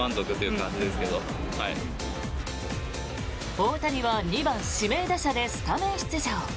大谷は２番指名打者でスタメン出場。